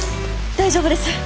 大丈夫です。